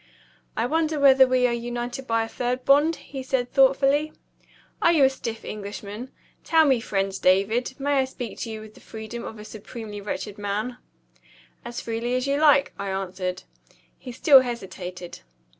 "I wonder whether we are united by a third bond?" he said thoughtfully. "Are you a stiff Englishman? Tell me, friend David, may I speak to you with the freedom of a supremely wretched man?" "As freely as you like," I answered. He still hesitated.